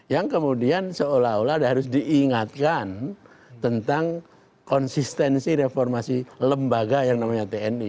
yang kemudian seolah olah harus diingatkan tentang konsistensi reformasi lembaga yang namanya tni